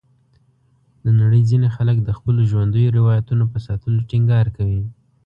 د نړۍ ځینې خلک د خپلو ژوندیو روایتونو په ساتلو ټینګار کوي.